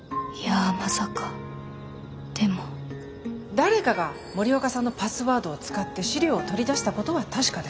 誰かが森若さんのパスワードを使って資料を取り出したことは確かです。